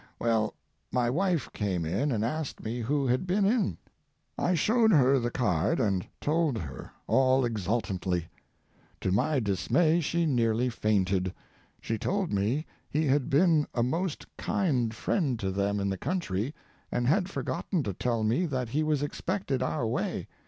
Well, my wife came in and asked me who had been in. I showed her the card, and told her all exultantly. To my dismay she nearly fainted. She told me he had been a most kind friend to them in the country, and had forgotten to tell me that he was expected our way.